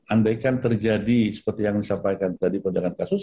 andaikan terjadi seperti yang disampaikan tadi penjagaan kasus